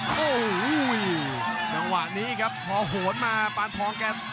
โอ้โหจังหวะนี้ครับพอโหนมาปานทองแก